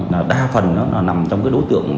là đa phần nó nằm trong cái đối tượng